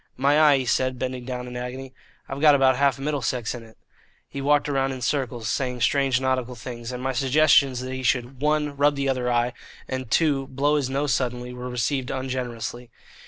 "My eye," he said, bending down in agony; "I've got about half Middlesex in it." He walked round in circles saying strange nautical things, and my suggestions that he should (1) rub the other eye and (2) blow his nose suddenly were received ungenerously.